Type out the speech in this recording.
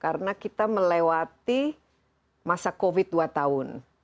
karena kita melewati masa covid dua tahun